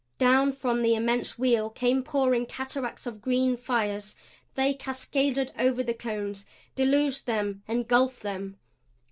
Down from the immense wheel came pouring cataracts of green fires. They cascaded over the cones; deluged them; engulfed them.